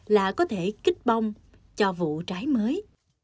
là có thể kích bông cho vụ trái mới